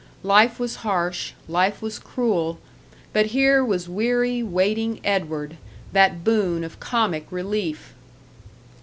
Life was harsh, life was cruel; but here was weary, waiting Edward, that boon of comic relief!